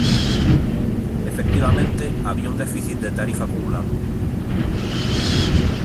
Efectivamente, había un déficit de tarifa acumulado.